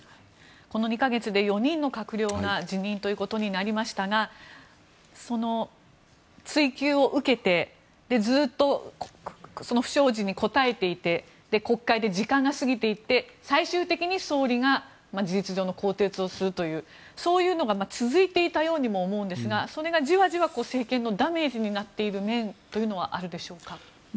この２か月で４人の閣僚が辞任ということになりましたが追及を受けてずっと不祥事にこたえていて国会で時間が過ぎていって最終的に総理が事実上の更迭をするというそういうのが続いていたようにも思いますがそれがジワジワ政権のダメージになっている面というのはあるでしょうか。